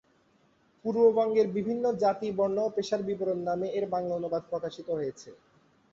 পূর্ববঙ্গের বিভিন্ন জাতি, বর্ণ ও পেশার বিবরণ নামে এর বাংলা অনুবাদ প্রকাশিত হয়েছে।